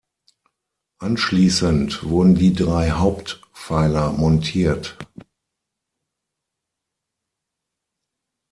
Anschließend wurden die drei Hauptpfeiler montiert.